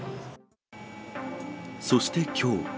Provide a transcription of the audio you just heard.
そして、きょう。